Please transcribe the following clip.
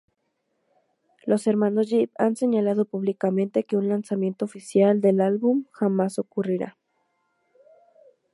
Los hermanos Gibb han señalado públicamente que un lanzamiento oficial del álbum jamás ocurrirá.